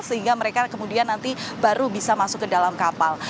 sehingga mereka kemudian nanti baru bisa masuk ke dalam kapal